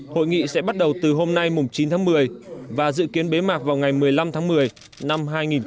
hội nghị sẽ bắt đầu từ hôm nay chín tháng một mươi và dự kiến bế mạc vào ngày một mươi năm tháng một mươi năm hai nghìn hai mươi